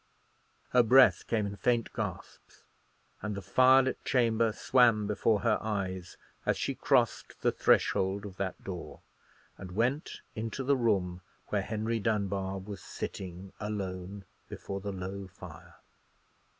Her breath came in faint gasps, and the firelit chamber swam before her eyes as she crossed the threshold of that door, and went into the room where Henry Dunbar was sitting alone before the low fire.